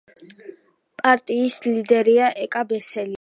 პარტიის ლიდერია ეკა ბესელია.